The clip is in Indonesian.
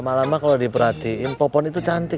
lama lama kalau diperhatiin popon itu cantik